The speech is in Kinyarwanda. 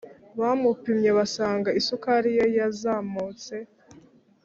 Bamupimye basanga isukari ye yazamutse